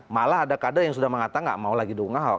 malah ada kader yang sudah mengatakan nggak mau lagi dukung ahok